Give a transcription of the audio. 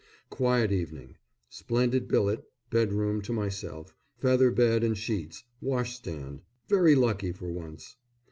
Quiet evening. Splendid billet bedroom to myself, feather bed and sheets, wash stand; very lucky for once.